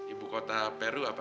ibu kota peru apa